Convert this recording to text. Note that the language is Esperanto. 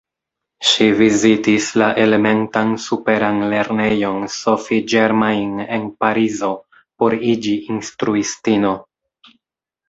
Ŝi vizitis la elementan superan lernejon Sophie Germain en Parizo por iĝi instruistino.